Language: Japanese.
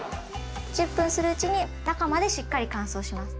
１０分するうちに中までしっかり乾燥します。